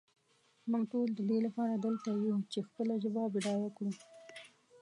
مونږ ټول ددې لپاره دلته یو چې خپله ژبه بډایه کړو.